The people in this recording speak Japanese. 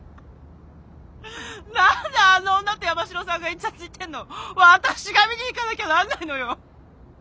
何であの女と山城さんがイチャついてるの私が見に行かなきゃなんないのよ。